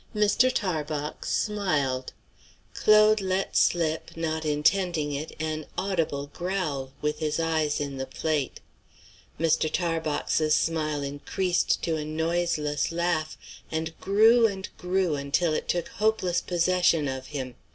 Mr. Tarbox smiled. Claude let slip, not intending it, an audible growl, with his eyes in the plate. Mr. Tarbox's smile increased to a noiseless laugh, and grew and grew until it took hopeless possession of him.